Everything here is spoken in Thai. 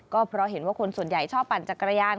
ก็เพราะเห็นว่าคนส่วนใหญ่ชอบปั่นจักรยาน